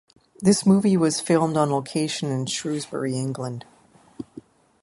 This movie was filmed on location in Shrewsbury, England.